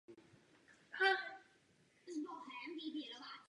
Hora je součástí Koruny hor Polska.